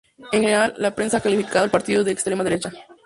En general, la prensa ha calificado al partido de extrema derecha.